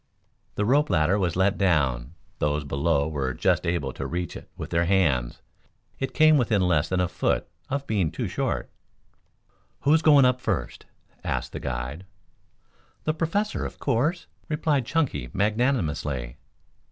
The rope ladder was let down. Those below were just able to reach it with their hands. It came within less than a foot of being too short. "Who is going up first?" asked the guide. "The Professor, of course," replied Chunky magnanimously.